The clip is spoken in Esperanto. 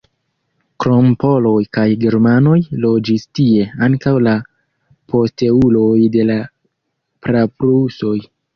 Krom poloj kaj germanoj loĝis tie ankaŭ la posteuloj de la praprusoj.